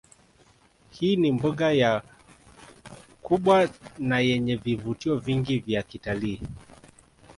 Hii ni mbuga ya kubwa nayenye vivutio vingi vya kitalii